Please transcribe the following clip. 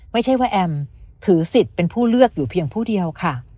ไม่ใช่ว่าแอมถือสิทธิ์เป็นผู้เลือกอยู่เพียงผู้เดียวค่ะ